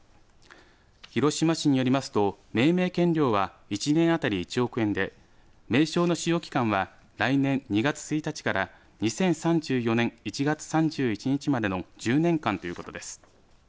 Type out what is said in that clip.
広島市によりますと命名権料は１年当たり１億円で名称の使用期間は来年２月１日から２０３４年１月３１日までの１０年間ということです。